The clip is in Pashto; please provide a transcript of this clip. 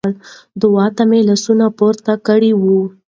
دعا ته مې لاسونه پورته کړي وو.